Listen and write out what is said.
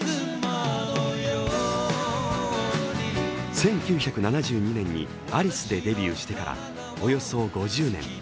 １９７２年にアリスでデビューしてからおよそ５０年。